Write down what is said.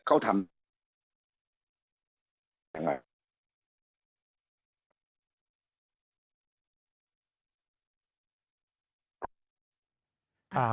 เขาทำอะไรนะครับ